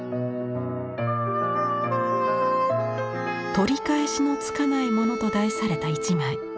「取り返しのつかないもの」と題された一枚。